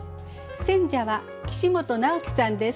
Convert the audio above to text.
選者は岸本尚毅さんです。